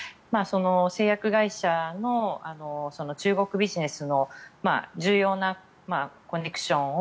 製薬会社の中国ビジネスの重要なコネクションを